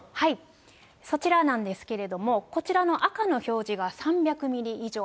そちらなんですけれども、こちらの赤の表示が３００ミリ以上。